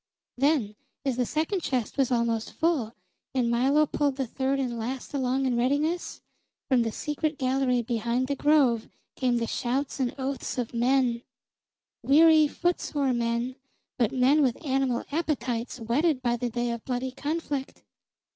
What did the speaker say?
Then, as the second chest was almost full, and Milo pulled the third and last along in readiness, from the secret gallery behind the Grove came the shouts and oaths of men, weary, footsore men, but men with animal appetites whetted by the day of bloody conflict.